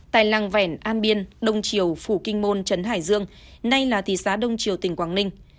tại làng vẻn an biên đông triều phủ kinh môn trấn hải dương nay là thị xã đông triều tỉnh quảng ninh